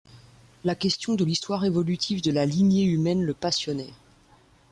La question de l'histoire évolutive de la lignée humaine le passionnait.